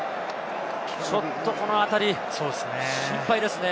ちょっと、この辺り心配ですね。